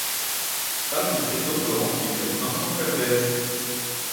Parmi ses doctorants figure Vincent Calvez.